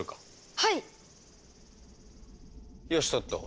はい！